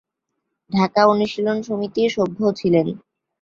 ঢাকা অনুশীলন সমিতির সভ্য ছিলেন।